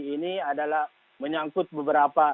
ini adalah menyangkut beberapa